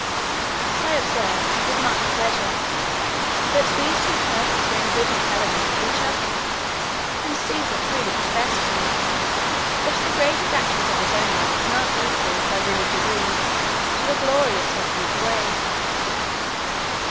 I observed, with much pleasure, that these two persons were in good intelligence with each other; and Cæsar freely confessed to me, "that the greatest actions of his own life were not equal, by many degrees, to the glory of taking it away."